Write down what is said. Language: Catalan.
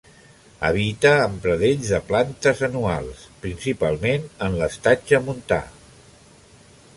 Habita en pradells de plantes anuals, principalment en l'estatge montà.